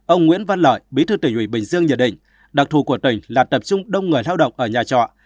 ông nguyễn văn lợi bí thư tỉnh ủy bình dương nhận định đặc thù của tỉnh là tập trung đông người lao động ở nhà trọ